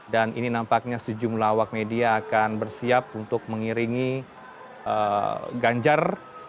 dan ini nampaknya sejumlah awak media akan bersiap untuk mengiringi ganjar